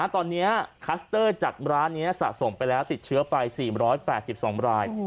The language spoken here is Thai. ตอนนี้คลัสเตอร์จากร้านนี้สะสมไปแล้วติดเชื้อไป๔๘๒ราย